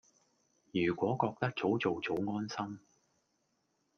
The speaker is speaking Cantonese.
如果覺得早做早安心